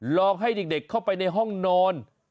ลองให้เด็กเข้าไปในห้องนอน